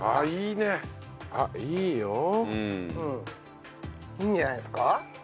いいんじゃないですか？